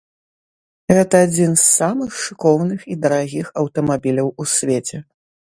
Гэта адзін з самых шыкоўных і дарагіх аўтамабіляў у свеце.